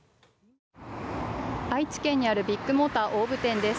愛知県にあるビッグモーター大府店です。